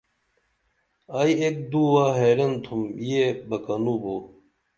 ائی ایک دُوہ حیرن تھم یہ بہ کنوں بو